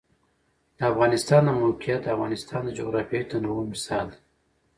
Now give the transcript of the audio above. د افغانستان د موقعیت د افغانستان د جغرافیوي تنوع مثال دی.